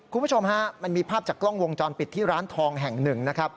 คุณผู้ชมฮะมันมีภาพจากกล้องวงจรปิดที่ร้านทองแห่งหนึ่งนะครับ